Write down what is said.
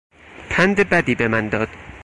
پند بدی به من داد.